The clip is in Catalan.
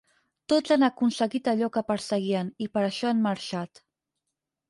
Tots han aconseguit allò que perseguien i per això han marxat.